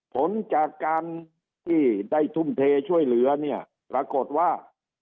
ผลจากการที่ได้ทุ่มเทช่วยเหลือเนี่ยปรากฏว่า